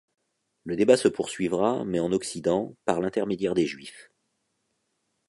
Le débat se poursuivra, mais en Occident, par l'intermédiaire des Juifs.